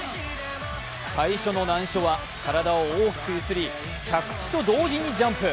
最初の難所は体を大きく揺すり着地と同時にジャンプ。